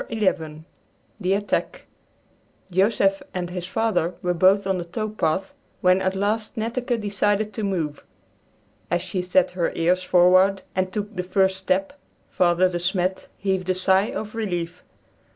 XI THE ATTACK Joseph and his father were both on the tow path when at last Netteke decided to move. As she set her ears forward and took the first step, Father De Smet heaved a sigh of relief.